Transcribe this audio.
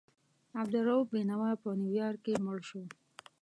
عبدالرؤف بېنوا په نیویارک کې مړ شو.